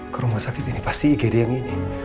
ke rumah sakit ini pasti igd yang ini